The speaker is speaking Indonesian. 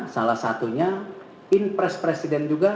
salah satunya in press presiden juga